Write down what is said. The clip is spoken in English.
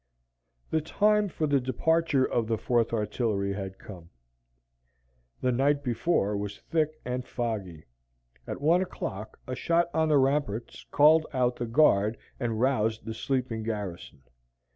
The time for the departure of the Fourth Artillery had come. The night before was thick and foggy. At one o'clock, a shot on the ramparts called out the guard and roused the sleeping garrison.